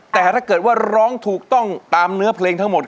แต่ถ้าเกิดว่าร้องถูกต้องตามเนื้อเพลงทั้งหมด